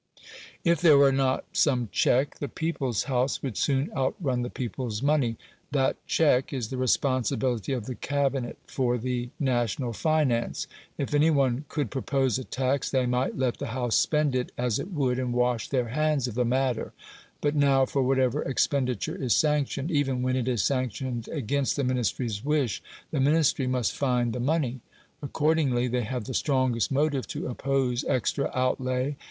If there were not some check, the "people's house" would soon outrun the people's money. That check is the responsibility of the Cabinet for the national finance. If any one could propose a tax, they might let the House spend it as it would, and wash their hands of the matter; but now, for whatever expenditure is sanctioned even when it is sanctioned against the Ministry's wish the Ministry must find the money. Accordingly, they have the strongest motive to oppose extra outlay.